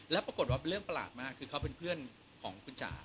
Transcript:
แล้วปรากฏว่าเป็นเรื่องประหลาดมากคือเขาเป็นเพื่อนของคุณจ๋า